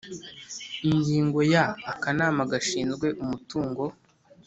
Ingingo ya Akanama gashinzwe umutungo